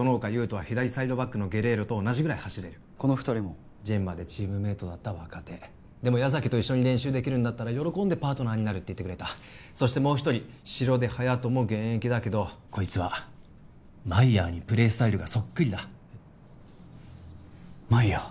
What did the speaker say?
人は左サイドバックのゲレイロと同じぐらい走れるこの２人もジェンマでチームメイトだった若手でも矢崎と一緒に練習できるんだったら喜んでパートナーになるって言ってくれたそしてもう一人城出隼澄も現役だけどこいつはマイヤーにプレースタイルがそっくりだマイヤー？